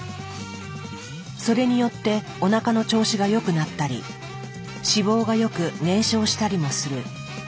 それによっておなかの調子が良くなったり脂肪がよく燃焼したりもする。